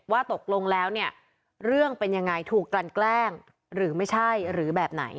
ว่าตกลงแล้วเนี่ยเรื่องเป็นยังไงถูกกลั่นแกล้งหรือไม่ใช่หรือแบบไหน